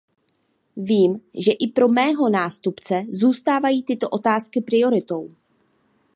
Vím, že i pro mého nástupce zůstávají tyto otázky prioritou.